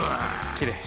きれい。